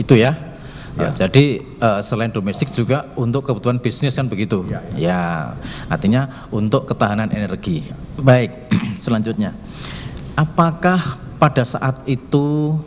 itu ya jadi selain domestik juga untuk kebutuhan bisnis kan begitu ya artinya untuk ketahanan energi baik selanjutnya apakah pada saat itu